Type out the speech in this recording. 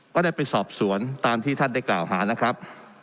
ได้ไปสอบสวนตามที่ท่านได้กล่าวหานะครับ